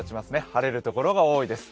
晴れるところが多いです。